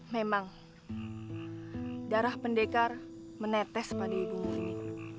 memang darah pendekar menetes pada ibumu ini